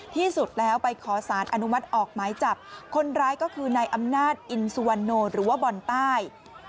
ที่สุดแล้วไปขอสารอนุมัติออกหมายจับคนร้ายก็คือนายอำนาจอินสุวรรณโนหรือว่าบอลใต้